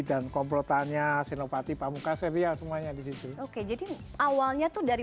dan komplotannya sinopati pamukka serial semuanya di situ oke jadi awalnya tuh dari